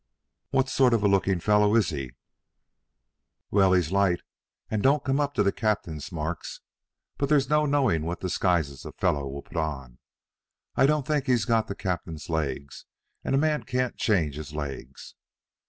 "What sort of a looking fellow is he?" "Well, he's light, and don't come up to the captain's marks; but there's no knowing what disguises a fellow will put on. I don't think he's got the captain's legs, and a man can't change his legs."